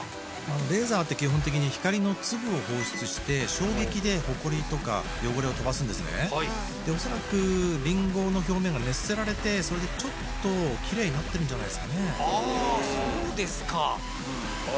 レーザーって基本的に光の粒を放出して衝撃でホコリとか汚れを飛ばすんですねで恐らくりんごの表面が熱せられてそれでちょっときれいになってるんじゃないですかねああ